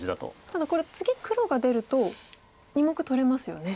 ただこれ次黒が出ると２目取れますよね。